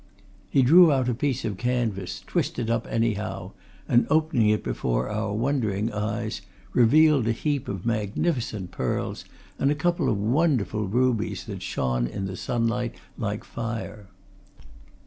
He drew out a piece of canvas, twisted up anyhow, and opening it before our wondering eyes, revealed a heap of magnificent pearls and a couple of wonderful rubies that shone in the sunlight like fire.